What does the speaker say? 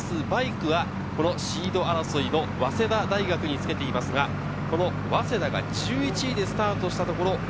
バイクは、このシード争い、早稲田大学につけていますが、早稲田が１１位でスタートしたところ。